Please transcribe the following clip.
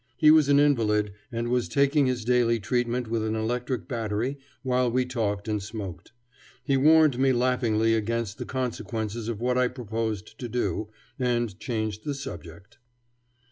He was an invalid, and was taking his daily treatment with an electric battery while we talked and smoked. He warned me laughingly against the consequences of what I proposed to do, and changed the subject.